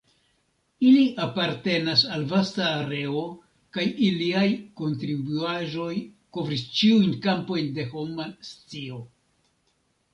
Ili apartenas al vasta areo kaj iliaj kontribuaĵoj kovris ĉiujn kampojn de homa scio.